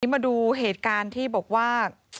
มาดูเหตุการณ์ที่บอกว่า